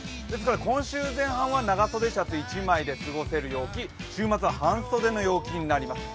今週前半は長袖シャツ１枚で過ごせますし、週末は半袖の陽気になります。